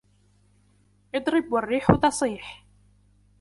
اضرب والريح تصيح